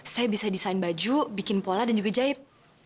saya bisa desain baju bikin pola dan juga jahit